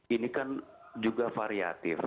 ini kan juga variatif